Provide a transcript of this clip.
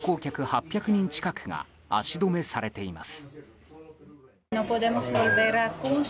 外国人観光客８００人近くが足止めされています。